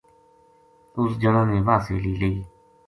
اُس جنا نے واہ سیلی لئی